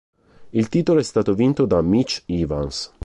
Il titolo è stato vinto da Mitch Evans.